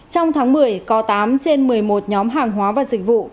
trong tháng một mươi có tám trên một mươi một nhóm hàng hóa và dịch vụ